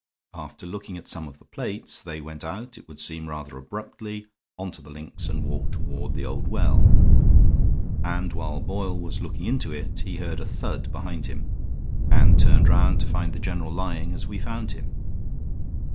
After looking at some of the plates they went out, it would seem, rather abruptly, on to the links, and walked toward the old well; and while Boyle was looking into it he heard a thud behind him, and turned round to find the general lying as we found him.